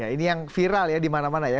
ini yang viral ya di mana mana ya